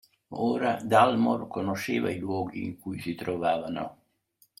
Ora Dalmor conosceva i luoghi in cui si trovavano